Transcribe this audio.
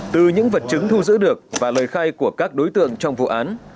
từ những vật chứng thu giữ được và lời khai của các đối tượng trong vụ án